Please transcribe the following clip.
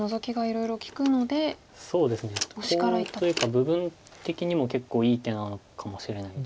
部分的にも結構いい手なのかもしれないです。